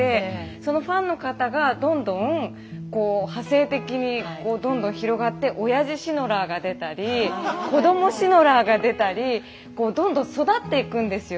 そのファンの方がどんどん派生的にどんどん広がっておやじシノラーが出たり子どもシノラーが出たりどんどん育っていくんですよ。